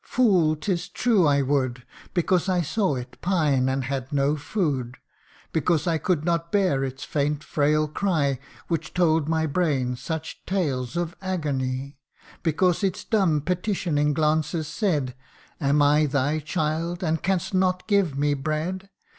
Fool ! 'tis true I would ; Because I saw it pine, and had no food : CANTO III. 95 Because I could not bear its faint frail cry, Which told my brain such tales of agony : Because its dumb petitioning glances said, Am I thy child ? and canst not give me bread